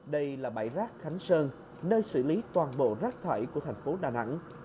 đây là bãi rác khánh sơn nơi xử lý toàn bộ rác thải của thành phố đà nẵng